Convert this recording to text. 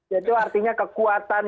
jadi itu artinya kekuatan